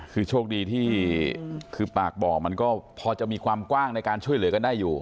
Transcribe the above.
คือโชคดีที่คือปากบ่อมันก็พอจะมีความกว้างในการช่วยเหลือกันได้อยู่